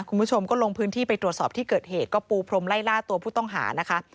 คุณผู้ชมก็ลงพื้นที่ไปตรวจสอบที่เกิดเหตุก็ปูพรมไล่ล่าตัวผู้ต้องหานะคะ